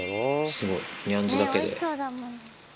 すごいニャンズだけで。